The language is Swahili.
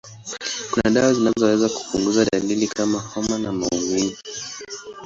Kuna dawa zinazoweza kupunguza dalili kama homa au maumivu.